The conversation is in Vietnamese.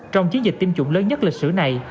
trong chiến dịch tiêm chủng lớn nhất lịch sử này